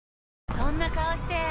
そんな顔して！